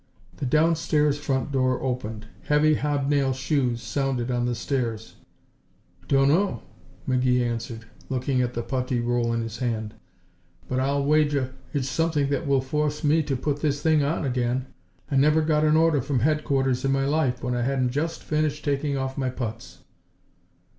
The downstairs front door opened; heavy hobnail shoes sounded on the stairs. "Dunno," McGee answered, looking at the puttee roll in his hand. "But I'll wager it's something that will force me to put this thing on again. I never got an order from headquarters in my life when I hadn't just finished taking off my putts."